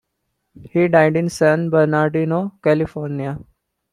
He died in San Bernardino, California.